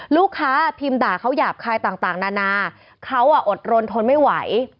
พิมพ์ด่าเขาหยาบคายต่างนานาเขาอดรนทนไม่ไหว